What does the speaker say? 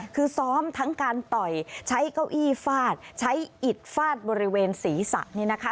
คือซ้อมทั้งการต่อยใช้เก้าอี้ฟาดใช้อิดฟาดบริเวณศีรษะนี่นะคะ